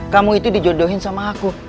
kamu itu dijodohin sama aku